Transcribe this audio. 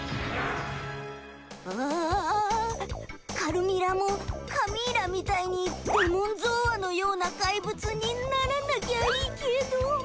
うわぁカルミラもカミーラみたいにデモンゾーアのような怪物にならなきゃいいけど。